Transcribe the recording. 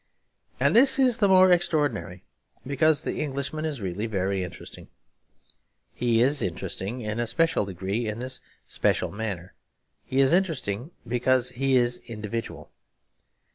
And this is the more extraordinary because the Englishman is really very interesting. He is interesting in a special degree in this special manner; he is interesting because he is individual.